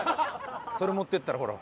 それ持っていったらほら。